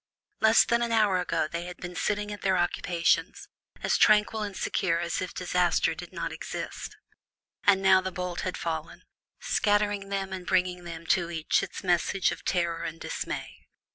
Less than an hour ago they had been sitting at their occupations, as tranquil and secure as if disaster did not exist; and now the bolt had fallen, scattering them and bringing to each its message of terror and dismay.